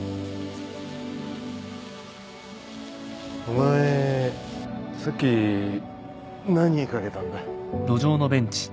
お前さっき何言いかけたんだ？